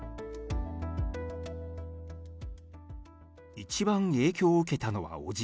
一番影響を受けたのは伯父。